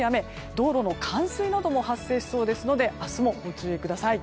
道路の冠水なども発生しそうですので明日もご注意ください。